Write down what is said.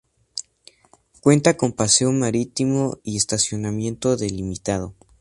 Cuenta con paseo marítimo y estacionamiento delimitado.